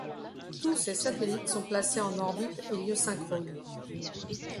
Tous ces satellites sont placés en orbite héliosynchrone.